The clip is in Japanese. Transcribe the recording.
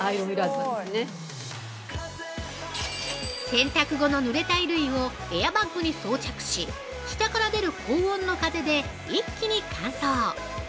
◆洗濯後のぬれた衣類をエアバッグに装着し、下から出る高温の風で一気に乾燥。